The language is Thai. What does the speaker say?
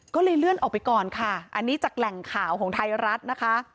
ก็เลยเลื่อนออกไปก่อนค่ะอันนี้จากแหล่งข่าวของไทยรัฐนะคะ